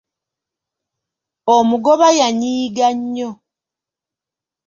Omugoba yanyiiga nnyo.